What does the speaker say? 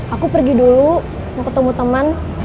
aku pergi dulu mau ketemu teman